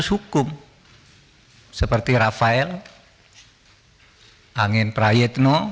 kasus hukum seperti rafael angin praietno